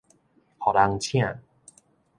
予人請